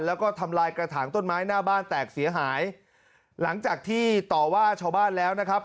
แล้วก็ทำลายกระถางต้นไม้หน้าบ้านแตกเสียหายหลังจากที่ต่อว่าชาวบ้านแล้วนะครับ